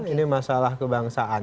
ini masalah kebangsaan